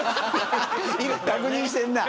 確認してるな。